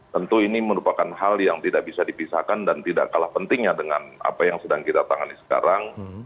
tentu ini merupakan hal yang tidak bisa dipisahkan dan tidak kalah pentingnya dengan apa yang sedang kita tangani sekarang